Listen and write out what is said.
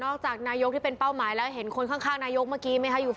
จากนายกที่เป็นเป้าหมายแล้วเห็นคนข้างนายกเมื่อกี้ไหมคะ